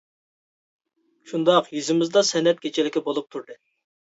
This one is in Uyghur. -شۇنداق، يېزىمىزدا سەنئەت كېچىلىكى بولۇپ تۇردى.